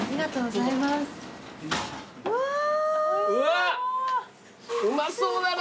うわうまそうだな。